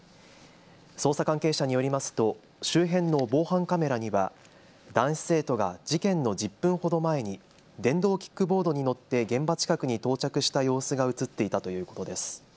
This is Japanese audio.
捜査関係者によりますと周辺の防犯カメラには男子生徒が事件の１０分ほど前に電動キックボードに乗って現場近くに到着した様子が写っていたということです。